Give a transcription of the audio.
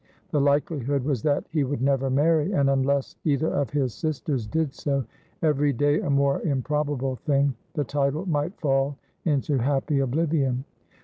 The likelihood was that he would never marry, and, unless either of his sisters did so, every day a more improbable thing, the title might fall into happy oblivion.